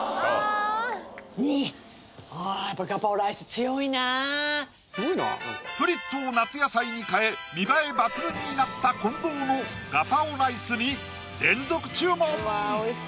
あやっぱフリットを夏野菜に変え見栄え抜群になった近藤のガパオライスに連続注文！